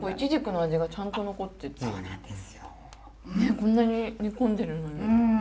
こんなに煮込んでるのに。